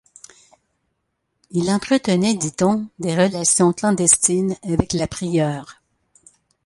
Il entretenait dit-on des relations clandestines avec la prieure.